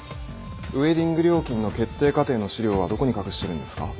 ウエディング料金の決定過程の資料はどこに隠してるんですか？